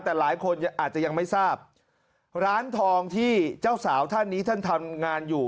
แต่หลายคนอาจจะยังไม่ทราบร้านทองที่เจ้าสาวท่านนี้ท่านทำงานอยู่